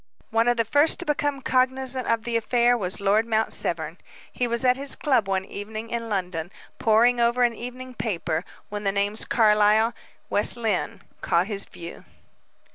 One of the first to become cognizant of the affair was Lord Mount Severn. He was at his club one evening in London, poring over an evening paper, when the names "Carlyle," "West Lynne," caught his view.